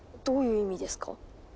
どういう意味ですか？